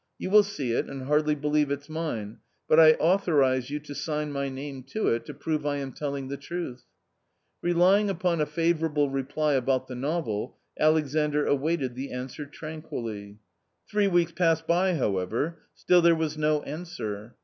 You will see it and hardly believe it's mine, but I authorise you to sign my name to it, to prove I am telling the truth." Relying upon a favourable reply about the novel, Alexandr awaited the answer tranquilly. Three weeks passed by, however, still there was no answer.